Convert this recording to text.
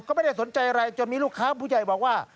ก็ไม่ได้สนใจอะไรจนมีลูกค้าผู้ใหญ่บอกว่า